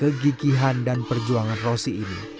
kegigihan dan perjuangan rosi ini